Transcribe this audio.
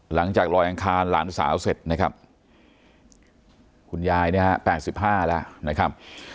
หลังจากลอยอังคารหลานสาวเสร็จนะครับคุณยายเนี่ย๘๕แล้วนะครับ